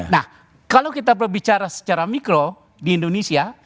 nah kalau kita berbicara secara mikro di indonesia